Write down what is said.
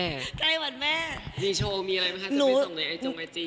มีโชว์มีอะไรมั้ยคะที่จะไปส่งในไอจงไอจี